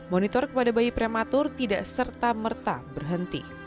monitor kepada bayi prematur tidak serta merta berhenti